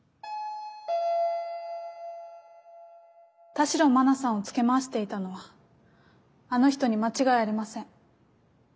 田代真菜さんをつけ回していたのはあの人に間違いありません。